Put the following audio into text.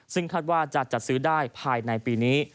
ซึ่งคาดว่าจะจัดซื้อได้ภายในปีนี้